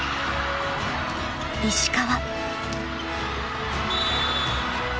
［石川］